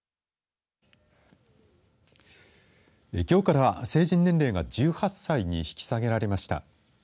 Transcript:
きょうから成人年齢が１８歳に引き下げられました。